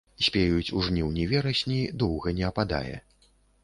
Спеюць у жніўні-верасні, доўга не ападае.